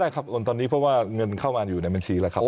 ครับตอนนี้เพราะว่าเงินเข้ามาอยู่ในบัญชีแล้วครับ